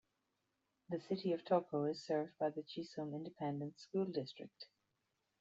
The City of Toco is served by the Chisum Independent School District.